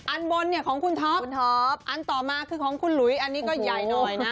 อันบนเนี่ยของคุณท็อปอันต่อมาคือของคุณหลุยอันนี้ก็ใหญ่หน่อยนะ